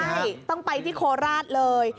ใช่ต้องไปที่โคราชเลย